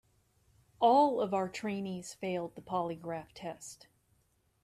All of our trainees failed the polygraph test.